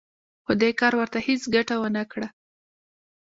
خو دې کار ورته هېڅ ګټه ونه کړه